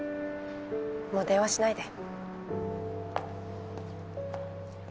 もう電話しないで。